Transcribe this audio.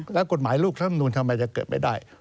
แล้วกฎหมายลูกธรรมนูลทำไมจะเกิดไม่ได้